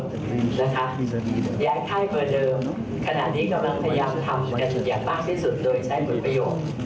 นะครับย้ายค่ายเบอร์เดิมขณะนี้กำลังพยายามทำกันอย่างมากที่สุดโดยใช้คุณประโยค